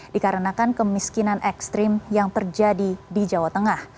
dikarenakan kemiskinan ekstrim yang terjadi di jawa tengah